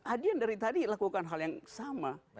adian dari tadi lakukan hal yang sama